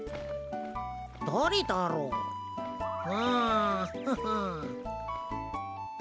だれだろう？んフフン。